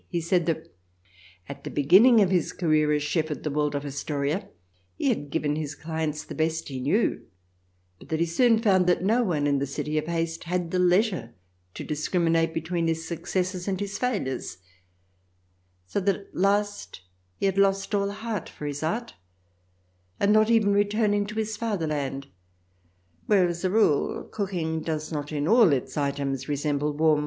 He said that at the beginning of his career as chef at the Waldorf Astoria he had given his clients the best he knew, but that he soon found that no one in the city of haste had the leisure to dis criminate between his successes and his failures, so that at last he had lost all heart fof his art, and not even returning to his Fatherland — where, as a rule, cooking does not in all its items resemble warm.